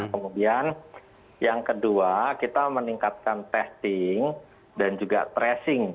kemudian yang kedua kita meningkatkan testing dan juga tracing